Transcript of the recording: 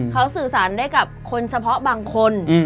เขาสื่อสารได้กับคนเฉพาะบางคน